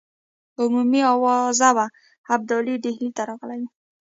عمومي آوازه وه ابدالي ډهلي ته راغلی دی.